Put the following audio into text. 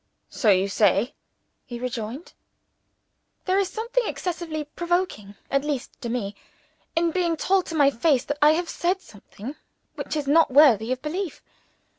"So you say!" he rejoined. There is something excessively provoking at least to me in being told to my face that I have said something which is not worthy of belief.